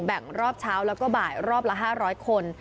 รอบเช้าแล้วก็บ่ายรอบละ๕๐๐คน